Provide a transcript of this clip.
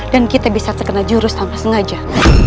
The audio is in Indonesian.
dan kita bisa terkena jurus tanpa sengaja